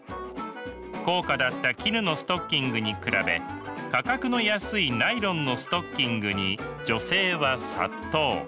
高価だった絹のストッキングに比べ価格の安いナイロンのストッキングに女性は殺到。